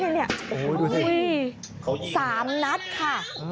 นี่สามนัทค่ะ